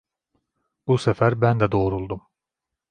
Bu sefer ben de doğruldum.